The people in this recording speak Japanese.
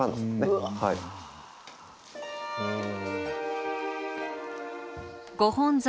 うん。